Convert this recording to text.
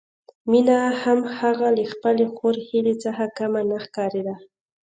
مينه هم هغه له خپلې خور هيلې څخه کمه نه ښکارېده